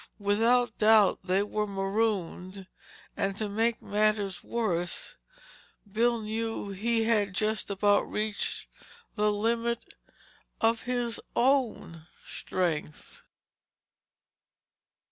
Without doubt they were marooned and to make matters worse, Bill knew he had just about reached the limit of his own strength.